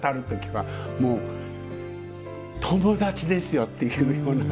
もう友達ですよっていうような。